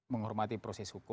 menghormati proses hukum